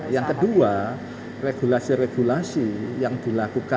nah yang kedua regulasi regulasi yang dilakukan yang diputuskan itu tidak usah